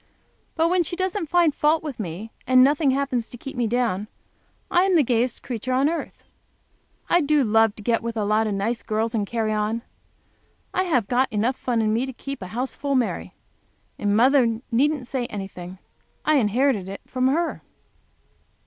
But when she doesn't find fault with me, and nothing happens to keep me down, I am the gayest creature on earth. I do love to get with a lot of nice girls, and carry on! I have got enough fun in me to keep a houseful merry. And mother needn't say anything. I inherited it from her.